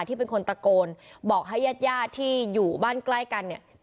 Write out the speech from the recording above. ที่เป็นคนตะโกนบอกให้ญาติญาติที่อยู่บ้านใกล้กันเนี่ย